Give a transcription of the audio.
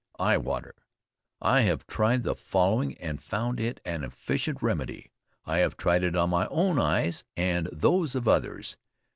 EYE WATER. I have tried the following and found it an efficient remedy. I have tried it on my own eyes and those of others.